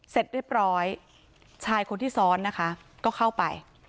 เสร็จเรียบร้อยชายคนที่ซ้อนนะคะก็เข้าไป